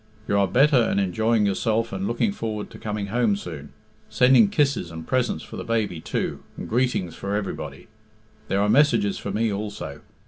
You are better and enjoying yourself and looking forward to coming home soon. Sending kisses and presents for the baby, too, and greetings for everybody. There are messages for me also.